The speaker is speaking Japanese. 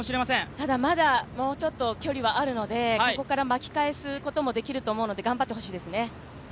ただまだもうちょっと距離はあるのでここから巻き返すこともできると思うので頑張ってほしいですね。